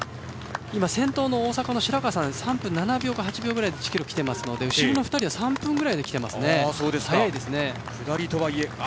先頭の大阪の白川さん３分７秒か８秒ぐらいで１ｋｍ来ていますので後ろの２人は３分くらいで来ていますね。